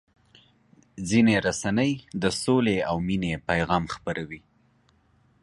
ځینې رسنۍ د سولې او مینې پیغام خپروي.